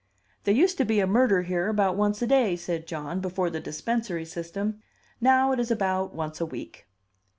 "There used to be a murder here about once a day," said John, "before the dispensary system. Now, it is about once a week."